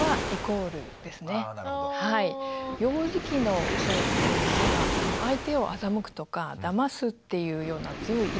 幼児期のうそっていうのは相手を欺くとかダマすっていうような強い意図はないんですね。